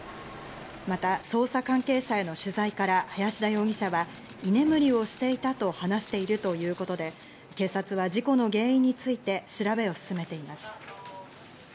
また捜査関係者への取材から林田容疑者は居眠りをしていたと話しているということで警察は事故の原因について調べを進めています。